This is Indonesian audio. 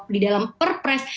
di dalam perpres